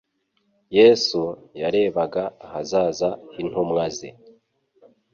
Yesu yarebaga ahazaza h'intumwa ze.